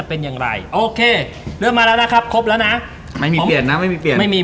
ตอนมันมาแล้วนะครับมาไม่มีเปลี่ยนเขามีคนมาไหล